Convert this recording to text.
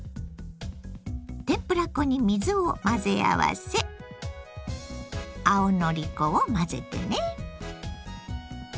天ぷら粉に水を混ぜ合わせ青のり粉を混ぜてね。